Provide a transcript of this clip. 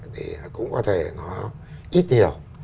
thì cũng có thể nó ít hiểu